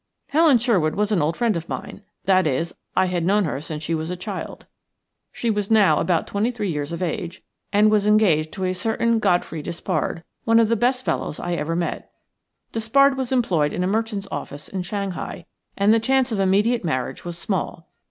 Helen Sherwood was an old friend of mine; that is, I had known her since she was a child. She was now about twenty three years of age, and was engaged to a certain Godfrey Despard, one of the best fellows I ever met. Despard was employed in a merchant's office in Shanghai, and the chance of immediate marriage was small.